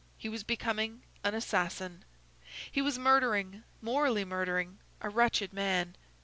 He was becoming an assassin. He was murdering, morally murdering, a wretched man.